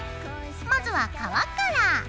まずは皮から。